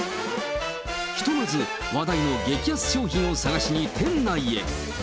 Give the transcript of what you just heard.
ひとまず話題の激安商品を探しに店内へ。